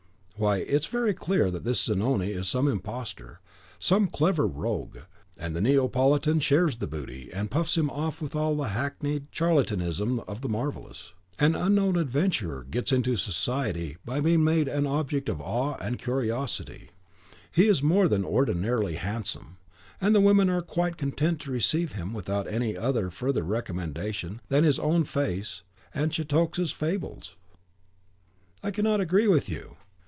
"Why, it is very clear that this Zanoni is some imposter, some clever rogue; and the Neapolitan shares the booty, and puffs him off with all the hackneyed charlatanism of the marvellous. An unknown adventurer gets into society by being made an object of awe and curiosity; he is more than ordinarily handsome, and the women are quite content to receive him without any other recommendation than his own face and Cetoxa's fables." "I cannot agree with you.